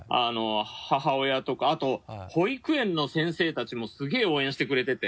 母親とかあと保育園の先生たちもすげぇ応援してくれてて。